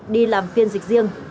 đi làm phiên dịch riêng